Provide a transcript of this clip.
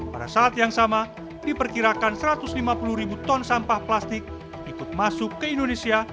pada saat yang sama diperkirakan satu ratus lima puluh ribu ton sampah plastik ikut masuk ke indonesia